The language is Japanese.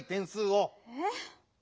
えっ？